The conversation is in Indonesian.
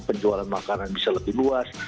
penjualan makanan bisa lebih luas